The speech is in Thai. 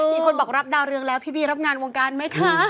มีคนบอกรับดาวเรืองแล้วพี่บี้รับงานวงการไหมคะ